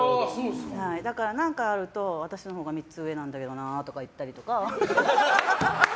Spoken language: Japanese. だから何かあると私のほうが３つ上なんだよなとか言ったりとか。